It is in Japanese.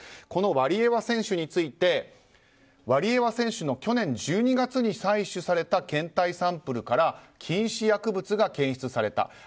このワリエワ選手についてワリエワ選手の去年１２月に採取された検体サンプルから禁止薬物が検出された。